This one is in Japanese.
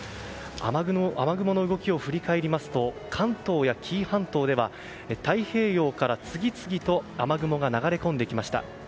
雨雲の動きを振り返りますと関東や紀伊半島では太平洋から次々と雨雲が流れ込んできました。